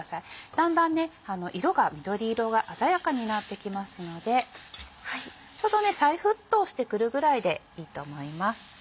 だんだん緑色が鮮やかになってきますのでちょうど再沸騰してくるぐらいでいいと思います。